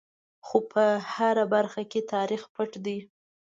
خو په هره برخه کې یې تاریخ پټ دی.